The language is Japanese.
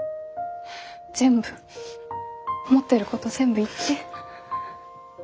全部思ってること全部言って。